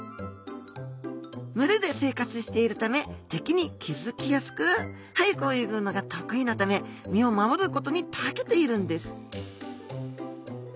群れで生活しているため敵に気づきやすく速く泳ぐのが得意なため身を守ることにたけているんです